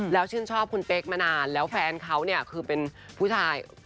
แล้วชื่นชอบคุณเป๊กมานานแล้วแฟนเขาเนี่ยคือเป็นผู้ชาย